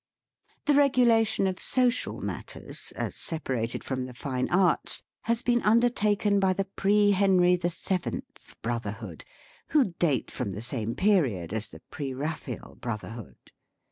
The regulation of social matters, as separated from the Fine Arts, has been undertaken by the Pre Henry the Seventh Brotherhood, who elate from the same period as the Pre Baphael Brotherhood.